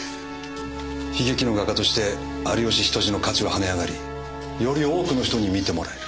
悲劇の画家として有吉比登治の価値は跳ね上がりより多くの人に見てもらえる。